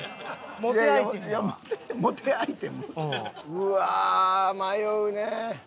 うわー迷うね！